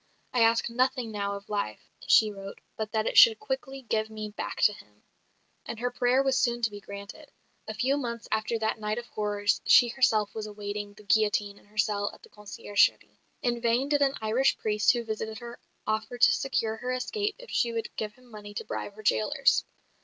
"I ask nothing now of life," she wrote, "but that it should quickly give me back to him." And her prayer was soon to be granted. A few months after that night of horrors she herself was awaiting the guillotine in her cell at the conciergerie. In vain did an Irish priest who visited her offer to secure her escape if she would give him money to bribe her jailers.